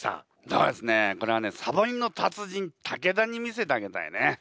そうですねこれはねサボりの達人武田に見せてあげたいね。